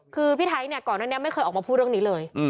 คือพี่ไทยเนี่ยก่อนหน้านี้ไม่เคยออกมาพูดเรื่องนี้เลย